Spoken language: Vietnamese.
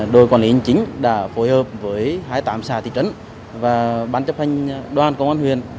đội quản lý chính đã phối hợp với hai mươi tám xã thị trấn và bán chấp hành đoàn công an huyền